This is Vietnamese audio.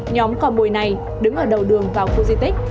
nhóm cò bùi này đứng ở đầu đường vào khu di tích